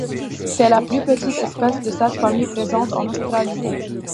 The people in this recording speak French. C'est la plus petite espèce de cette famille présente en Australie.